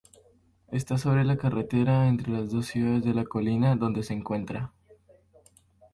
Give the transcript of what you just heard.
Esta sobre la carretera entre las dos ciudades de la colina donde se encuentra.